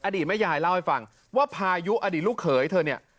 อดีตแม่ยายเล่าให้ฟังว่าพายุอดีตลูกเขยเธอเนี่ย